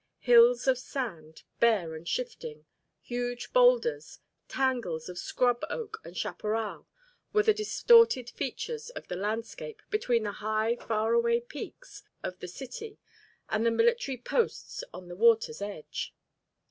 Hills of sand, bare and shifting, huge boulders, tangles of scrub oak and chaparral, were the distorted features of the landscape between the high far away peaks of the city and the military posts on the water's edge.